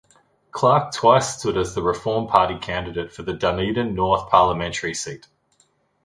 Clark twice stood as the Reform Party candidate for the Dunedin North parliamentary seat.